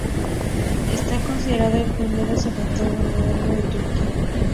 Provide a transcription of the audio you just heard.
Está considerado el primer observatorio moderno de Turquía.